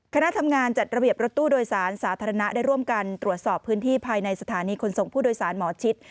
คณะทำงานจัดระเบียบรถตู้โดยสารสาธารณะได้ร่วมกันตรวจสอบพื้นที่ภายในสถานีขนส่งผู้โดยสารหมอชิด